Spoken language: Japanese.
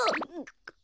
くっ。